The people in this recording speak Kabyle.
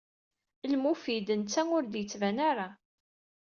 Lmufid netta ur d-yettban ara.